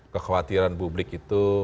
kekhawatiran publik itu